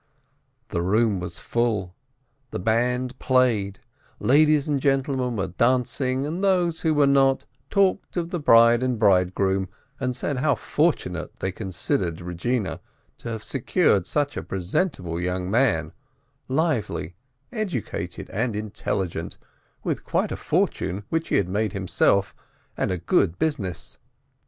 The room was full, the band played, ladies and gentle men were dancing, and those who were not, talked of the bride and bridegroom, and said how fortunate they considered Eegina, to have secured such a presentable young man, lively, educated, and intelligent, with quite a fortune, which he had made himself, and a good busi ness.